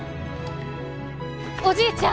おじいちゃん！